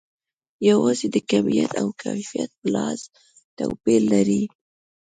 یوازې د کمیت او کیفیت په لحاظ توپیر لري.